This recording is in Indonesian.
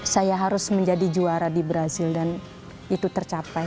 saya harus menjadi juara di brazil dan itu tercapai